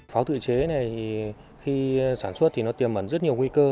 pháo tự chế này khi sản xuất thì nó tiêu mẩn rất nhiều nguy cơ